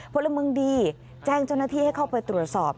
พลเมืองดีแจ้งเจ้าหน้าที่ให้เข้าไปตรวจสอบ